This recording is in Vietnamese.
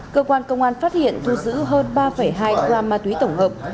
cơ quan công an phát hiện thu giữ hơn ba hai gram ma túy tổng hợp